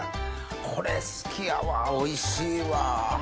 これ好きやわぁおいしいわ。